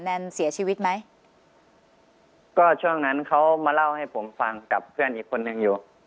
แนนเสียชีวิตไหมก็ช่วงนั้นเขามาเล่าให้ผมฟังกับเพื่อนอีกคนนึงอยู่